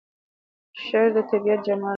شعر د طبیعت جمال دی.